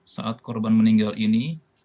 saat korban meninggal ini